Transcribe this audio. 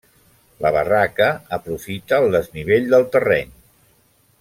La barraca aprofita el desnivell del terreny.